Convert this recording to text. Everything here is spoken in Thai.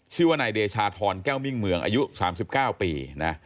ชื่อว่านายเดชาธรแก้วมิ่งเมืองอายุ๓๙ปีนะ